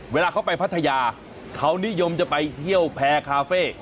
เวลาเขาไปพัทยาเขานิยมจะไปเที่ยวแพร่คาเฟ่